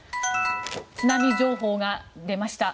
津波情報が出ました。